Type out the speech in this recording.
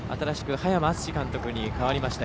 羽山篤史監督に代わりました。